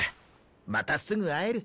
またすぐ会える。